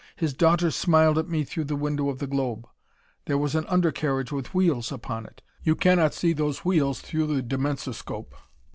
His daughter smiled at me through the window of the globe. There was an under carriage with wheels upon it. You cannot see those wheels through the dimensoscope.